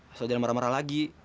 asal jangan marah marah lagi